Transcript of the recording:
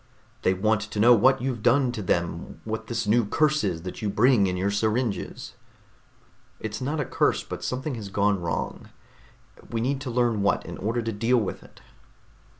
"They want to know what you've done to them, what this new curse is that you bring in your syringes." "It's not a curse, but something has gone wrong. We need to learn what, in order to deal with it."